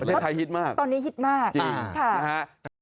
ประเทศไทยฮิตมากจริงค่ะตอนนี้ฮิตมาก